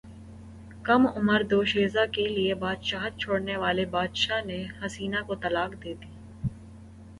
کم عمر دوشیزہ کیلئے بادشاہت چھوڑنے والے بادشاہ نے حسینہ کو طلاق دیدی